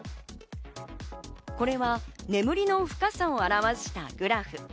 これは眠りの深さを表したグラフ。